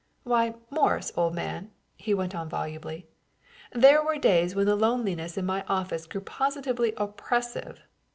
"Why, Morris, old man," he went on volubly, "there were days when the loneliness in my office grew positively oppressive.